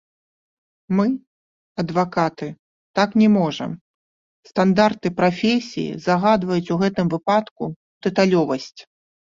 Мы, адвакаты, так не можам, стандарты прафесіі загадваюць ў гэтым выпадку дэталёвасць.